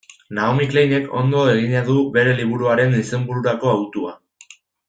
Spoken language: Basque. Naomi Kleinek ondo egina du bere liburuaren izenbururako hautua.